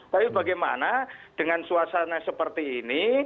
tapi bagaimana dengan suasana seperti ini